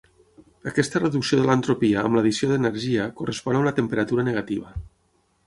Aquesta reducció de l'entropia amb l'addició d'energia correspon a una temperatura negativa.